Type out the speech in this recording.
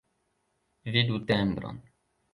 Vidu tembron.